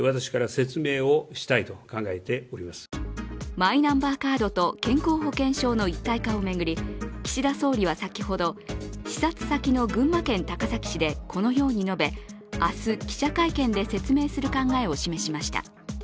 マイナンバーカードと健康保険証の一体化を巡り、岸田総理は先ほど、視察先の群馬県高崎市でこのように述べ明日、記者会見で説明する考えを示しました。